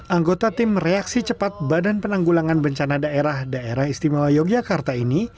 anggota tim reaksi cepat badan penanggulangan bencana daerah daerah istimewa yogyakarta ini